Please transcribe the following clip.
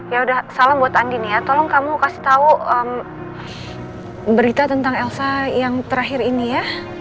ya udah salam buat andini ya tolong kamu kasih tahu berita tentang elsa yang terakhir ini ya